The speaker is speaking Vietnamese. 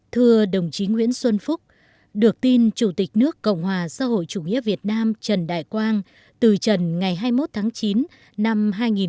thưa đồng chí nguyễn xuân phúc được tin chủ tịch nước cộng hòa xã hội chủ nghĩa việt nam trần đại quang từ trần ngày hai mươi một tháng chín năm hai nghìn một mươi